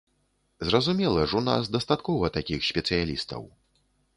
Зразумела ж, у нас дастаткова такіх спецыялістаў.